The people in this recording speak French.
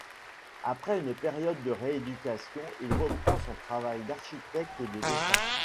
Après une période de rééducation, il reprend son travail d'architecte et de dessins.